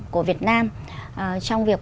của việt nam trong việc